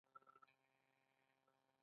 د کمیسیون جوړول د نړیوالې ټولنې پریکړه وه.